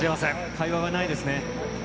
会話がないですね。